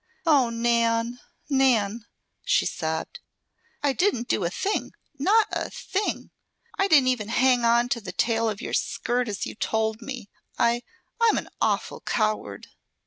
"Oh, Nan! Nan!" she sobbed. "I didn't do a thing, not a thing. I didn't even hang to the tail of your skirt as you told me. I, I'm an awful coward."